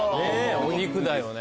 お肉だよね。